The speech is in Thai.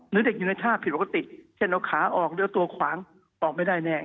หรือเด็กอยู่ในท่าผิดปกติเช่นเอาขาออกเดี๋ยวตัวขวางออกไม่ได้แน่